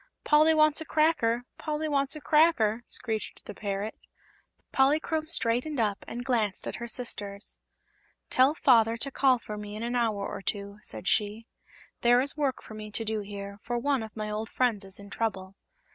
"Polly wants a cracker! Polly wants a cracker!" screeched the parrot. Polychrome straightened up and glanced at her sisters. "Tell Father to call for me in an hour or two," said she. "There is work for me to do here, for one of my old friends is in trouble."